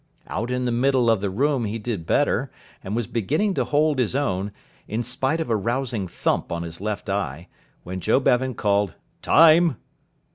Out in the middle of the room he did better, and was beginning to hold his own, in spite of a rousing thump on his left eye, when Joe Bevan called "Time!"